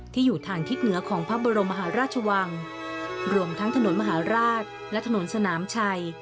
ที่อยู่ทางทิศเหนือของพระบรมมหาราชวังรวมทั้งถนนมหาราชและถนนสนามชัย